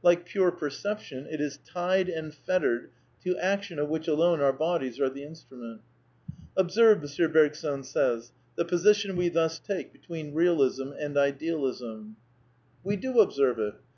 Like pure perception, it is tied and fettered to action of which alone our bodies are the instrument. " Observe," M. Bergson says, " the position we thus take between realism and idealism." We do observe it.